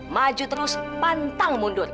maju terus pantang mundur